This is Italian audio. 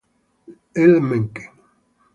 L. Mencken.